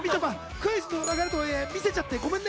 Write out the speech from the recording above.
クイズの流れとはいえ見せちゃってごめんね。